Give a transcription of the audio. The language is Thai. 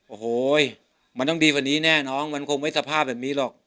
โอ้โหมันต้องดีกว่านี้แน่น้องมันคงไม่สภาพแบบนี้หรอก